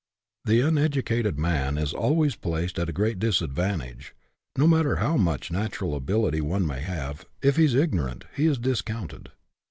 The uneducated man is always placed at a great disadvantage. No matter how much natural ability one may have, if he is ignorant, he is discounted.